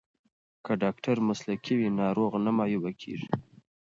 که ډاکټر مسلکی وي نو ناروغ نه معیوب کیږي.